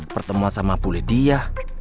pertemuan sama bu lydia